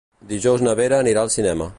Dijous na Vera anirà al cinema.